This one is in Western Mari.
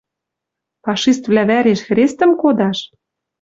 Фашиствлӓ вӓреш хрестӹм кодаш?